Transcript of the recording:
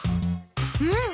うん。